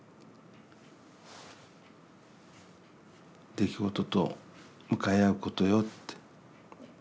出来事と向かい合うことよって。